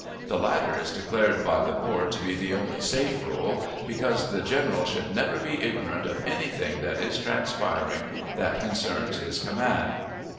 The latter is declared by the board to be the only safe role, because "the general should never be ignorant of any thing that is transpiring that concerns his command."